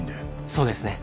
そうですね。